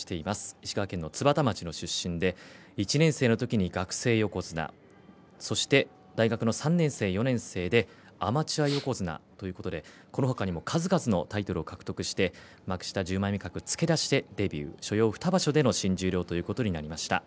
石川県津幡町出身で１年生の時に学生横綱大学の３年生４年生でアマチュア横綱ということでこのほかにも数々のタイトルを獲得して幕下１０枚目格付け出しでデビュー所要２場所での新十両ということになりました。